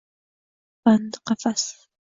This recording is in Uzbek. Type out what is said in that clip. Bandi qafas